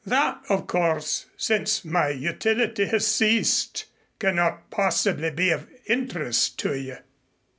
"That, of course, since my utility has ceased, cannot possibly be of interest to you."